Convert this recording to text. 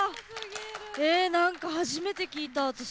なんか初めて聴いた私。